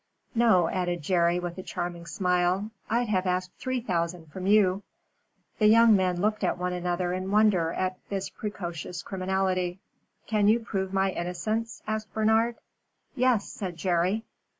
No," added Jerry, with a charming smile, "I'd have asked three thousand from you." The young men looked at one another in wonder at this precocious criminality. "Can you prove my innocence?" asked Bernard. "Yes," said Jerry.